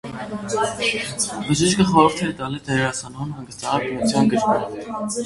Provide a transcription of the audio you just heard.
Բժիշկը խորհուրդ է տալիս դերասանուհուն հանգստանալ բնության գրկում։